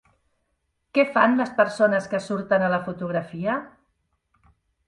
Què fan les persones que surten a la fotografia?